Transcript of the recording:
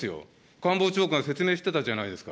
官房長官が説明してたじゃないですか。